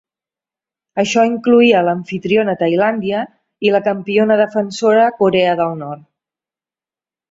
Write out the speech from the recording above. Això incloïa l'amfitriona Tailàndia i la campiona defensora Corea del Nord.